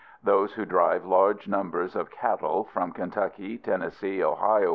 Those who drive large numbers of cattle from Kentucky, Tennessee, Ohio, &c.